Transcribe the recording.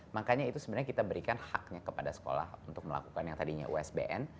makanya itu sebenarnya kita berikan haknya kepada sekolah untuk melakukan yang tadinya usbn